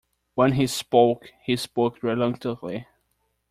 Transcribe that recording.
When he spoke, he spoke reluctantly.